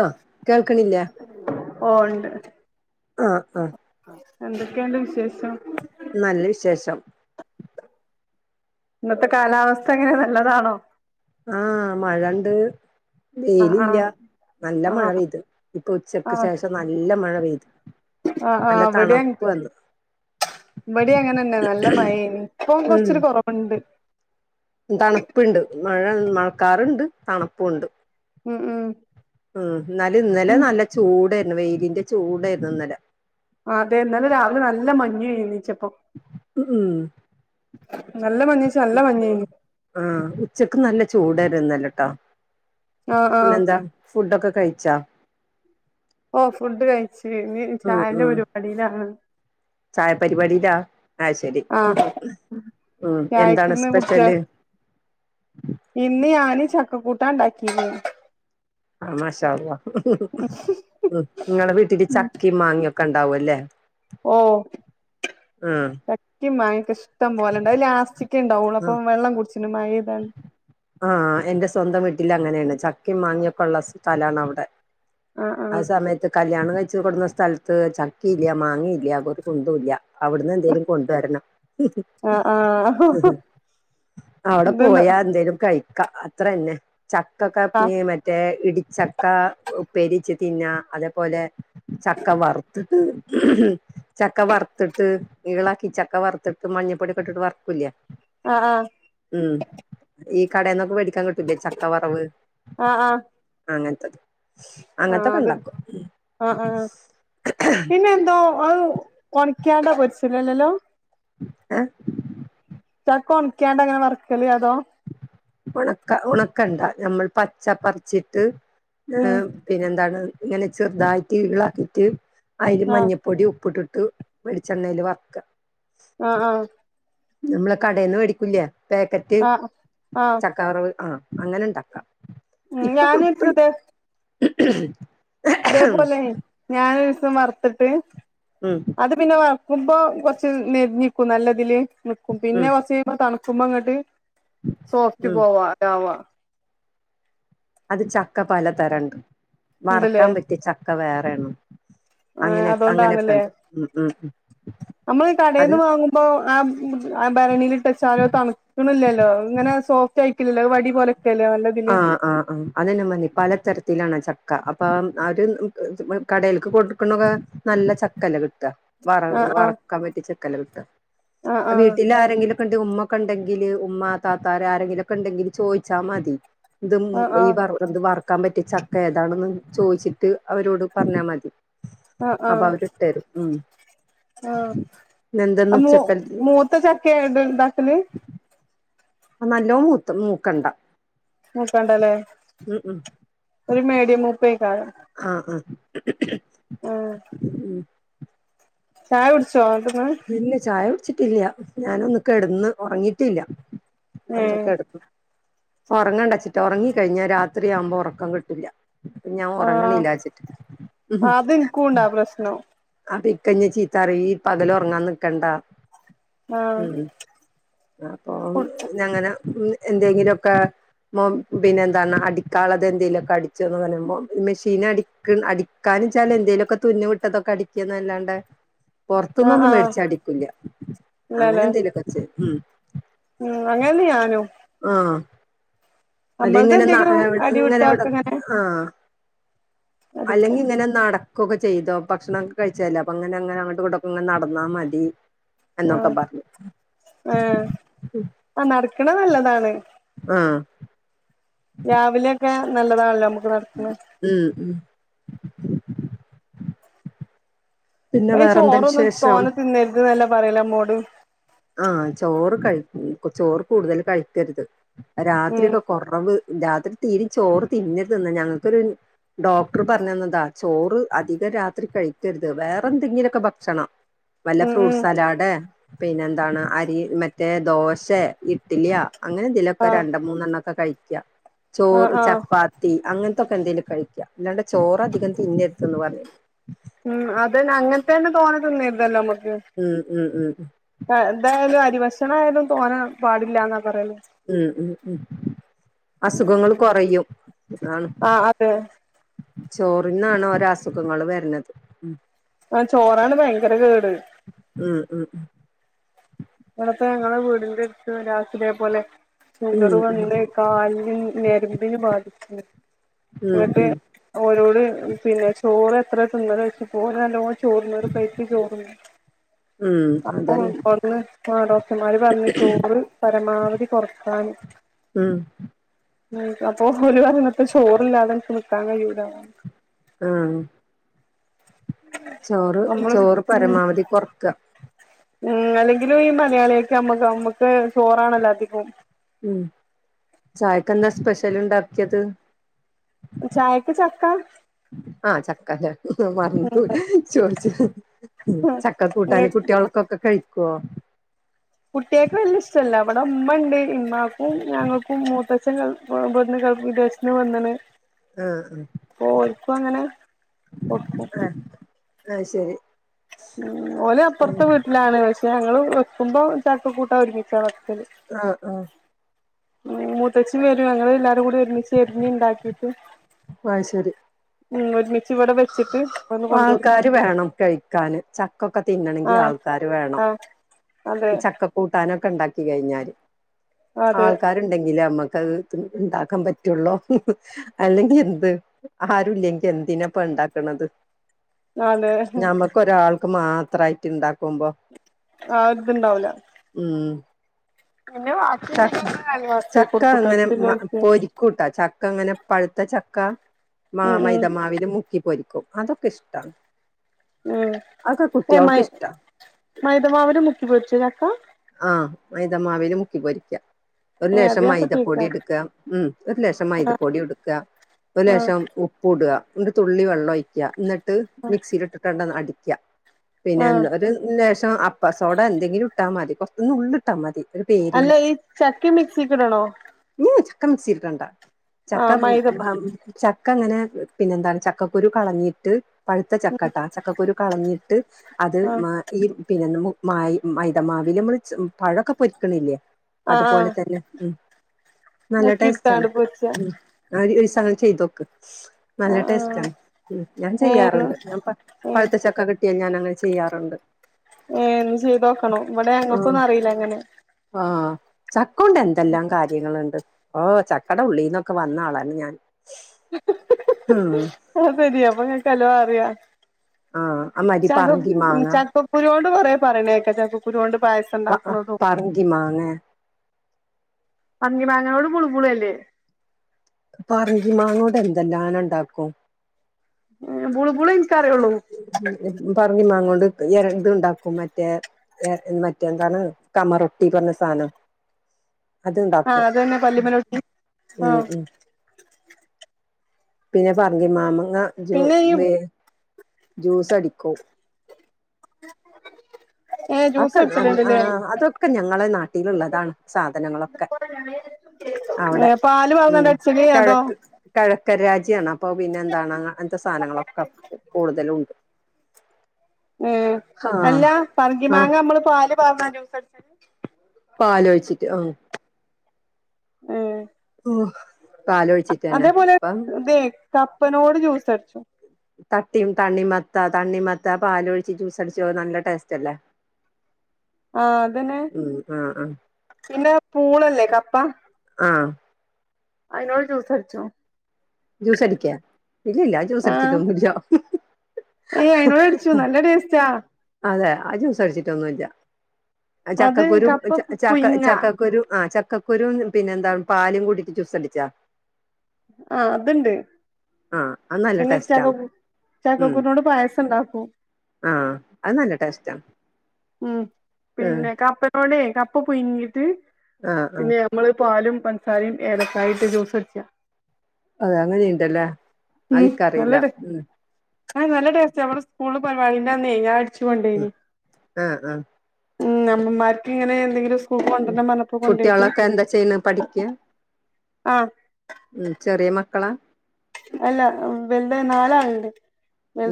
ആഹ് കേൾക്കണില്ല ആഹ് ആഹ് എന്തൊക്കെയിണ്ട് വിശേഷം? നല്ല വിശേഷം ഇന്നത്തെ കാലാവസ്ഥ ഏങ്ങനെ നല്ലതാണോ? ആഹ് മഴണ്ട് ആഹ് വെയിലില്ല ആഹ് നല്ല മഴ ആഹ് പെയ്തു ഇപ്പൊ ഉച്ചക്ക് ആഹ് ശേഷം നല്ല മഴ പെയ്തു ആഹ് ആ അവിടെയാണ് ഇവിടേം അങ്ങനെന്നെ നല്ല മഴേണ് ഇപ്പം ഉം കൊറച്ചൊരു കുറവുണ്ട് തണുപ്പുണ്ട് മഴ മഴക്കാറുണ്ട് തണുപ്പുണ്ട് ഉം ഉം ഉം എന്നാലും ഇന്നലെ നല്ല ചൂടായിരുന്നു വെയിലിന്റെ ചൂടായിരുന്നു ഇന്നലെ അതെ എന്നാലും രാവിലെ നല്ല മഞ്ഞാര്ന്ന് വീച്ച ഉം നല്ല മഞ്ഞേച്ച നല്ല മഞ്ഞേനി ആഹ് ഉച്ചക്ക് നല്ല ചൂടരുന്നല്ലട്ടോ ആഹ് ആഹ് പിന്നെന്താ ഫുഡൊക്കെ കഴിച്ചാ ഓ ഫുഡ് കഴിച്ചു കഴ്ഞ്ഞ് ഇഞ് ഉം ചായന്റെ ഉം പരിപാടിയിലാണ് ചായ പരിപാടിയിലാ അത് ശരി ആഹ് ഉം എന്താണ് ചായക്ക്ന്ന് കുട്ച്ച് സ്പെഷ്യല് ഇന്ന് ഞാന് ചക്ക കൂട്ടാ ഇണ്ടാക്കിനി ആഹ് മഷാ അള്ളാഹ് ഉം ഇങ്ങളെ വീട്ടില് ചക്കിം മാങ്ങ്യക്ക് ക്കെ ഇണ്ടാവൊ ല്ലേ ഓ ചക്കിം മാങ്ങ്യേക്കിഷ് ഇഷ്ടം പോലെണ്ട് അഹ് ലാസ്റ്റിക്കെ ഇണ്ടാവൊള്ളൂ ഉം അപ്പം വെള്ളം കുടിച്ചിണ് മഴെയ്താണ് ആഹ് എന്റെ സ്വന്തം വീട്ടില് അങ്ങനെണ് ചക്കി മാങ്ങ്യെക്കെ ഇള്ള സ്ഥലാണ് അവിടെ ആഹ് ആ സമയത്ത് കല്യാണം കഴ ച്ച് കൊടുന്ന സ്ഥലത്ത് ചക്കില്ല മാങ്ങീല്ല ഒരു കുന്തൂല്ല അവിട്ന്ന് എന്തേലും കൊണ്ടുവരണം ആഹ് ആഹ് ആഹ് അവടെ [unintelligible] ഇതെന്താ പോയാ എന്തേലും കഴിക്ക അത്രന്നെ ചക്കൊക്കെ ആഹ് നെ മറ്റേ ഇടിച്ചക്ക ഉപേര്യച്ച് തിന്ന അതേപോലെ ചക്ക വറുത്ത്ട്ട് ചക്ക വറത്തിട്ട് ഈളാക്കി ചക്ക വറത്തിട്ട് മഞ്ഞപ്പൊട്യക്കെ ഇട്ടിട്ട് വറക്കുലെ അഹ് ആഹ് ഈ കടേന്നൊക്കെ വേടിക്കാൻ കിട്ടൂലേ ചക്കവറവ് ആഹ് ആഹ് ആഹ് അങ്ങൻത്തത് ആഹ് അത് ആഹ് ആഹ് പിന്നെ എന്തോ അത് കൊണിക്കാണ്ടാ പരിച്ചില്ലല്ലല്ലോ ഏ കൊണിക്കാണ്ട് അങ്ങനെ മറക്കലേ അതോ ഉണക്ക ഉണക്കണ്ടാ നമ്മൾ പച്ചപ്പറിച്ചിട്ട് ഏ ഉം പിന്നെന്താണ് ഇങ്ങനെ ചെറുതായിട്ട് ഇളാക്കിട്ട് അതില് ആഹ് മഞ്ഞപ്പൊടി ഉപ്പിട്ട്ട്ട വെളിച്ചെണ്ണൽ വർക്ക് ആ ആ നമ്മള് കടയിൽന്ന് മേടിക്കൂല പാക്കറ്റ് ആഹ് ആഹ് ചക്കാവ റവ് ആ അങ്ങനെ ഉണ്ടാക്കാം ഉം ഞാൻ ഇത്തത് മ് മ് ഇതേപോലെ ഞാന ദിവസം വറുത്തിട്ട് ഉം അത് പിന്നെ വ നക്കുമ്പ കൊറച്ച് നെരിക്കും നല്ലതില് നക്കും ഉം പിന്നെ കൊറച്ച് കഴുമ്പോ തണുക്കുമ്പോ അങ്ങോട്ട് സോഫറ്റ് ഉം പോവാ ആവാ അത് ചക്ക പലതറുണ്ട് ഇണ്ടല്ലേ വറക്കാൻ പറ്റിയ ചക്ക വേറൊണ് ഏഹ് അങ്ങനെെ അങ്ങനെയൊക്കെ അതോണ്ടാണല്ലേ ഉണ്ട് ഉ ഉ ഉ നമ്മള് കടയിൽന്ന് വാങ്ങുമ്പോ ആ ഭരണിൽ ആ സ്ഥാനം തണുക്കണില്ലല്ലോ ഇങ്ങനെ സോഫ്റ്റ് ആയി ആഹ് ആഹ് ആ അതന്നെ മതി പലതരത്തിലാണ് ച ചക്ക അപ്പൊ ആര് കടയിലേക്ക് കൊടുക്കണക്കെ നല്ല ചക്കല്ല കിട്ടുക വ ആഹ് വറക്കാൻ പറ്റി ചെക്കല കട്ട ആഹ് ആഹ് ആഹ് വീട്ടിൽ ആരെങ്കിലും ണ്ട് ഉമ്മക്കെ ഉണ്ടെങ്കില് ഉമ്മ താത്താർ ആരെങ്കിലുംക്കെ ഉണ്ടെങ്കില് ചോദിച്ചാൽ മതി ഇത് ആഹ് ഈ ആഹ് വത് വറക്കാൻ പറ്റിയ ചക്ക ഏതാണെന്ന് ചോദിച്ചിട്ട് അവരോട് പറഞ്ഞാ മതി അപ്പൊ അവര്ട്ടരും ഉം ആആ പിന്നെന്തെന്ന് മ ഉച്ചക്കൽത്ത് മൂത്ത ചക്ക ഉണ്ടാക്കല് നല്ലോ മൂ മൂക്കണ്ട മൂക്കണ്ടല്ലേ ഉം ഒരു മേഡിയം മൂപ്പ ആആ ആ ഉം ചായ പിടിച്ചോ അതന്ന വെച്ചിട്ടില്ല ഞാന ഒന്നക്ക കിടന്ന് ഉറങ്ങിയിട്ടില്ല അവിടെ ഏഹ് കിടക്ക ഉറങ്ങേണ്ടച്ചിട്ട് ഉറങ്ങ കഴിഞ്ഞാ രാത്രിയാവുമ്പോ ഉറക്കം കിട്ടില്ല അപ്പൊ ഞാൻ ആഹ് ഉറങ്ങണില്ല വച്ചിട്ട് അത് ഇനിക്കുണ്ടാ പ്രശ്നം അ കഞ്ഞ ചീത്താറി ഈ പകൽ ഉറങ്ങാൻ നിക്കണ്ട ആഹ് ഉം അപ്പൊ കുടിച്ചു ഞങ്ങനെ എന്തെങ്കിലുംക്കെ പിന്നെ എന്താണ് അടിക്കളത് എന്തെങ്കലുമൊക്കെ അടിച്ചോന്ന് പറയുമ്പോ മെഷീൻട അട എന്തേലുമൊക്കെ തുന്നി വിട്ടതൊക്കെ അടിക്കന്നല്ലാണ്ട് പുറത്തുന്നു ആഹ് ഒന്നും ആഹ് മേടിച്ച അടിക്കൂല്ല അങ്ങനെ ഇല്ലല്ലേ എന്തെലുമൊക്കെച്ച ഉ ഉം അങ്ങനന്ന ഞാനോ അത എങ്ങനെ അടിവിട്ടാ എങ്ങനെവിടെ ഒക്കെ ഇങ്ങനെ ആ അല്ലെങ്കി അടിക്കും ഇങ്ങനെ നടക്കുവൊക്കെ ചെയ്തോ ഭക്ഷണം ഒക്കെ കഴിച്ചാലോ അപ്പൊ അങ്ങനെ അങ്ങനെ അങ്ങോട്ട് ക ഇങ്ങ നടന്നാ മതി ആ എന്നൊക്കെ പറഞ്ഞു ആ ആ നടക്കണ നല്ലതാണ് ആ രാവിലെയൊക്കെ നല്ലതാണല്ലോ നമുക്ക് നടക്കണ ഇപ്പൊ ഉം ഉ പിന്നെ പച്ച വേറെന്താ ഓറോന്നും വിശേഷം തോന്ന തിന്നരുത്ല്ല പറയല മോട് ആ ചോറ് കഴ ചോറ് കൂടുതൽ കഴിക്കരുത് രാത്രിയൊക്കെ കൊറവ് രാത്രി തീരി ചോറ് തിന്നിരു തിന്ന ഞങ്ങൾക്കൊരു ഡോക്ടർ പറഞ്ഞന്നതാ ചോറ് അധികം രാത്രി കഴിക്കരുത് വേറെ എന്തെങ്കിലുമൊക്കെ ഭക്ഷണം...... നല്ല ഉം ഉം ഫ്രൂട്ട്സ് സാലാഡ് പിന്നെ എ..... അരി മറ്റേ ദോശ ഇഡ്ലിയ അങ്ങനെ ഇതിലൊക്കെ രണ്ട മൂന്നെണ്ണൊക്കെ [unintelligible] ആഹ് ചോറ് ആഹ് ചപ്പാത്തി അങ്ങനത്തൊക്കെ എന്തെലും കഴിക്ക അല്ലാണ്ട് ചോറ അധികം തിന്ന......? ന്ന് പറയും...... ഉം അതന്നെ അങ്ങനത്ത തന്നെ തോന്ന തോന്നിയരുതല്ലോ.... ഉം ഉം ഉം എന്തായാലും അരിവക്ഷണംയാലും തോന്നാൻ പാടില്ല..... ഉം ഉ ഉ അസുഖങ്ങൾ കുറയുംതാണ്...... ആ.. ചോറിന്നാണ് രോ അസുഖങ്ങള്ൾ വരുന്നത് ഉ..... ആഹ ചോറാണ് ഭയങ്കര കേട്..... ഉം ഉം നിങ്ങളെ വീടിന്റെടുത്ത് ഒരാക്കുഇതേ പോലെ........ ഷുഗർ ഉം ഉം വണ്ട് കാലന് നരമ്പിന് ബാധിക്കുന്നു... ഉം എന്നിട്ട് ഉം ഓരോട് പിന്നെ ചോറ് എത്ര തിുന്നല വെച്ച പോലല്ലോ...... ചോറിനൊരു പ്ലേറ്റ്.... ഉം അതന്നെ [unintelligible] ആഹ ഡോക്ടർമാര് പറഞ്ഞു ചോറ് പരമാവധി കൊറക്കൻ..... ഉം അപ്പൊ ഒരു പറഞ്ഞത്തെ ചോറല്ലാതെ എനിക്ക് നിക്കാൻ കഴിയുലാന്ന്.... ആഹ...., ചോറ് നമ്മള് ചോറ് പരമാവധി കൊറക...... ഉ അല്ലെങ്കിലും ഈ മലയാളിയക്കെ നമ്മക്ക് നമ്മുക്ക് ചോറാണല്ലോ അധികം....... ഉം ചായക്കെന്താ സ്പെഷ്യൽ ഉണ്ടാക്കിയത്........ ചായക്ക ചക്ക........ ആഹ്.... ഉം [unintelligible] ഉ ചക്ക കൂട്ടാാന് കുട്ടികളക്കൊക്കെ കഴിക്കുവോ..... കുട്ടിയൾക്ക് വല്യ ഇഷ്ടമല്ല അവിടെ ഉമ്മ ഉണ്ട് ഉമമാക്കും ഞങ്ങൾക്കും മൂത്തവച്ചം.... [unintelligible] ആഹ് [unintelligible] പോരിക്കും അങ്ങനെ കൊടുക്കും.... ആശരി...... ഉ ഓല അപ്പുറത്തെ വീട്ടിലാണ് പക്ഷെ ഞങ്ങള്ൾ വെക്കുമ്പോ ചാക്ക കൂട്ടാ ഒരുക്കിച്ച..... ആആ.... മുത്തച്ഛി വരും ഞങ്ങൾ [unintelligible] അ കൂ ഒരുമിച്ച് എരിഞ്ഞ ഉണ്ടാക്കിട്ട് ആഹ് ശരി ഉ ഒരുമിച്ച് ഇവിടെ വെച്ചിട്ട്..... ഒന്ന് കൊണ്ടോടുക്കും ആൾക്കാാര് വേണം കഴിക്കാാന്...... ക്കൊക്കെ തിന്നണമെങ്കിൽ ആഹ് ആൾക്കാാര് വേണം ആഹ് അതെ ഈ ചക്ക കൂട്ടാനൊക്കെ [unintelligible] [unintelligible] അതെ ആൾക്കാരുണ്ടെങ്കില് നമ്മക്ക്..... ഉണ്ടാക്കാൻ പറ്റുള്ളൂ അല്ലെങ്കിൽ എന്ത് ആരുുംല്ലെങ്കിൽ എന്തിന പ....... ഉണ്ടാക്ക അതെ ഞമ്മക്ക് ഒരാൾക്ക് മാത്രമായിട്ട് ഇണ്ടാക്കുമ്പോ....... ആ ഇതുണ്ടാവല...... ചക്ക അയൽവാസികൾക്ക് ചക്ക കൊടുക്കൂട്ടോ അങ്ങനെ അടുത്തുള്ളോൽക്ക് പൊരിക്കൂട്ടാ ചക്ക അങ്ങനെ പഴുത്ത [unintelligible] ക്ക മാ ഉം ഉം മൈദമാവിൽ മുക്കി പൊരിക്കും അതൊക്കെ ഇഷ്ടമാണ്...... ഉം ഏ മൈ ഇഷ്ടാ മൈദമാവിര മുക്കിപൊടിച്ചു ചക്കാ..... മൈുതമാവിൽ മുക്കി പൊരി..... ഒരു ഏ അത് ലക്ഷമായി ഞാപ്പൊ ഇത് പൊടി കേക്കാ എടുക്ക ഉം ഒരു ലക്ഷമായി ഇത് പൊടി എടുക്കുക..... ഒരു ആഹ് ശേഷം ഉപ്പ്ടുക...... തുള്ളി വെള്ളം ഒഴിക്കുക എന്നിട്ട് മിക്സിൽ ഇട്ടിട്ട്ണ്ട അടിക്ക.... പിന്നെ ആഹ് ഒരു ലേഷം അപ്പസോട എന്തെങ്കിലും ഇട്ടാ മതി കൊറത്തന്ന് ഉള്ള ഇട്ടാ മതി..... ഒരു അല്ല പേരിന് ഈ ചക്കി മിക്സി കിടണോ...... ഉം ചക്ക മിക്സിട്ടണ്ട ചക്ക....... മൈദ ചക്ക അങ്ങനെ പിന്നെന്താണ് ചക്കക്കുരു കളഞ്ഞിട്ട്...... പഴുത്ത ചക്കട്ട ചക്കക്കുരു കളഞ്ഞിട്ട് അത് ആ [unintelligible] ഈ പിന്നെ [unintelligible] മൈ മൈതമാവല് ച്ച് നമ്മള് പഴൊക്കെ പൊരിക്ക്ണില്ലേ ആ ആ അത്പോലെ തന്നെ ഉം നല്ല ടേസ്റ്റ് ആണ് മുക്കിടുത്താണ്ട് പൊരിച്ച ഉം [unintelligible] അതും [unintelligible] ചെയ്തോക്ക് ആ നല്ല ടേസ്റ്റ് ആണ് ആ ഉം ഏ ചെയ്യാറ്ണ്ട് ഏ ഞാൻ പ പഴുത്തച്ചക്ക കിട്ട്യാൽ ഞാൻ അങ്ങനെ ചെയ്യാറ്ണ്ട് ഏഹ് ഇന്ന് ചെയ്തോക്കണം ഇവടെ ഉം ഞങ്ങൾക്കൊന്നും അറിയില്ല ഇങ്ങനെ ആഹ് ചക്കോണ്ട് എന്തെല്ലാം കാര്യങ്ങളുണ്ട് ഓഹ് ചക്കട ഉള്ളീന്നൊക്കെ വന്ന ആളാണ് ഞാൻ ഉം അത് ശരിയ അപ്പങ്ങക്ക് എല്ലോം അറിയ ആഹ് അമാരി ചക്ക പറങ്കി മാങ്ങ ചക്കക്കുരോണ്ട് കൊറെ പറയണേക്ക ചക്കക്കുരു കൊണ്ട് പായസം പ ഉണ്ടാക്കണതും പറങ്കി മാങ്ങെ പറങ്കി മാങ്ങനോട് ബുൾ ബുളല്ലേ പറങ്കി മാങ്ങോണ്ട് എന്തെല്ലാനം ഇണ്ടാക്കും ഏഹ് ബുള് ബുള് ഏഹ് പറങ്കി മാങ്ങോണ്ട് ഇത്ണ്ടാക്കും മറ്റേ ഏഹ് മറ്റേ എന്താണ് കമറൊട്ടി പറഞ്ഞ സാധനം ആ അത്ണ്ടാക്കും അതന്നെ പല്ലിമലോട്ടി ആ ഉം ഉം പിന്നെ പറങ്കി മാങ്ങ പിന്നെ ഈ ജു-വെ ജ്യൂസടിക്കും ഏ ജ്യൂസ് അഹൊക്കെ അടിച്ചലുണ്ടല്ലേ ആഹ് അതൊക്കെ ഞങ്ങളെ നാട്ടിലുള്ളതാണ് സാധനങ്ങളൊക്കെ ഏ അവടെ പാല് ഉം പാർന്നാണ്ട് അടിച്ചല് അതോ കെഴക്ക് കെഴക്ക്‌ രാജ ജ്യണ് അപ്പൊ പിന്നെ എന്താണ് അങ്ങൻത്തെ സാധനങ്ങളൊക്കെ കൂടുതലൂണ്ട് ഊം അല്ല പറങ്കി ആഹ് മാങ്ങ നമ്മള് പാല് പാർന്ന ജ്യൂസ്‌ അടിച്ചല് പാലൊഴിച്ചിട്ട് ആഹ് ഏഹ് ഓഹ് പാലോഴിച്ചിട്ടന്നെ അതേപോലെ അപ്പം ഇതേ കപ്പനോട് ജ്യൂസ് അടിച്ചും തട്ടിയും തണ്ണി മത്ത തണ്ണിമത്ത പാലൊഴിച്ച് ജ്യൂസടിച്ച നല്ല ടേസ്റ്റ് അല്ലേ ആഹ് അതന്നെ ഉം ആഹ് ആഹ് പിന്നെ പൂളല്ലേ കപ്പ ആഹ് അതിനോട് ജ്യൂസടിച്ചും ജ്യൂസടിക്കെ ഇല്ലില്ല അത് ജ്യൂസടിച്ചിട്ടൊന്നും ഇല്ല ഏ അയ്നോടടിച്ചു നല്ല ടേസ്റ്റാ അതെ ആ ജൂസടിച്ചിട്ടൊന്നൂല്ല അത് ചക്കക്കുരൂം കപ്പ ചക്ക പുയിങ്ങ ചക്കക്കുരൂം ആ ച കക്കുരൂം പിന്നെന്താ പാലും കൂടിട്ട് ചൂസടിച്ചാ ആ അത്ണ്ട് അത് നല്ല പിന്നെ ടേസ്റ്റാണ് ചക്കക് ചക്കക്കുരോണ്ട് പായസ്സണ്ടാക്കും ആ അത് നല്ല ടേസ്റ്റാ ഉം ഉം പിന്നെ കപ്പ [unintelligible] കപ്പ പുയ്ങ്ങീട്ട് ആഹ് ആഹ് പിന്നെ ഞമ്മള് പാലും പൻസാരീം ഏലക്കായൂട്ട് ജ്യൂസടിച്ചാ അ അങ്ങനെചെയ്യിൻണ്ടല്ലേ അതിൻക്കറിയില്ല ഉം ആ നല്ല ടേസ്റ്റ നമ്മടെ സ്കൂളില് പരിപാടിന്റന്ന് ഞാൻ അടിച്ചു കൊണ്ടേന് ആ ആ ഉം അമ്മമാർക്കിങ്ങനെ എന്തെങ്കിലുസ് കുട്ട്യോളൊക്കെ എന്താ ചെയ്യ്ണ് പഠിക്ക ആഹ് ഉ ചെറിയ മക്കളാ അല്ല വല്താ നാലാള്ണ്ട്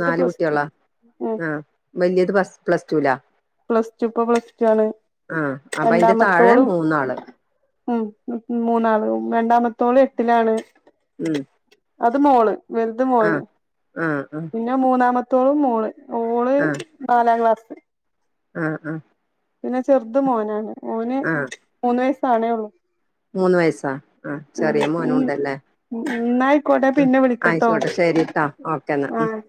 നാല് കുട്ടേളാ ആ വല്ല്യത് പസ് പ്ലസ്റ്റുലാ പ്ലസ്ടു പ്പൊ പ്ലസ് ടു ആണ് ആഹ് അപ്പൊ അയിന്റെ താഴെ രണ്ടാമത്തോളും മൂന്നാള് ഉം മൂന്നാളും രണ്ടാമ ത്തോള് എട്ടിലാണ് ഉം ത് മോള് വലുത് മോന് ആഹ് ആഹ് ആഹ് പിന്നെ മൂന്നാമ ത്തോള് മോള് ഓള് നാലാംക്ലാസ് ആആ പിന്നെ ചെറുത് മോനാണ് ഓന് ആഹ് മൂന്ന് വയസ്സാവ്ണേയുള്ളു മൂന്ന് വയസ്സാ ആ ചെറിയ മോനുണ്ടല്ലേ? ഉം ന്നായിക്കോട്ടെ ഉം പിന്നെ വിളിക്കട്ടോ ആയിക്കോട്ടെ ശരിട്ടാ ഓക്കേന്നാ ഉം- ആഹ്